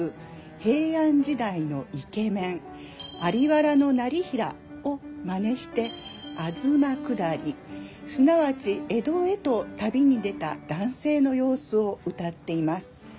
平安時代のイケメン在原業平をまねして東下りすなわち江戸へと旅に出た男性の様子を歌っています。